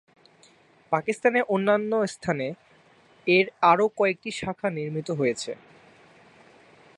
পাকিস্তানের অন্যান্য স্থানে এর আরও কয়েকটি শাখা নির্মিত হয়েছে।